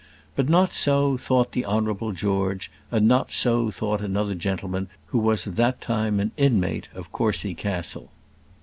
But not so thought the Honourable George; and not so thought another gentleman who was at that time an inmate of Courcy Castle.